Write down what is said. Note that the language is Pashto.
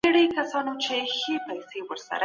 ناڅاپي مړینه هم د فکتورونو برخه ده.